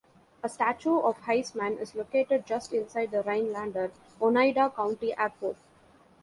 A statue of Heisman is located just inside the Rhinelander-Oneida County airport.